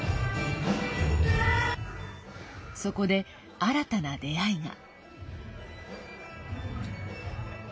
そこで、新たな出会いが。